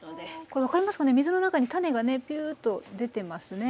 これ分かりますかね水の中に種がねぴゅっと出てますね。